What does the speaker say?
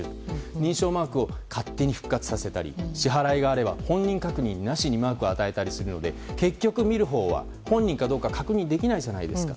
認証マークを勝手に復活させたり支払いがあれば本人確認なしでマークを与えたりするので結局見るほうは本人かどうか確認できないじゃないですか。